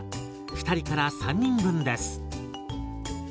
２人から３人分です。